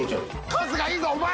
春日いいぞお前！